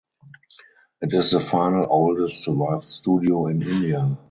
It is the final oldest survived studio in India.